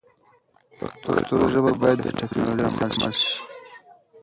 پښتو ژبه باید د ټکنالوژۍ سره مله شي.